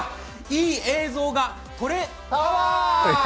いい映像が撮れタワー！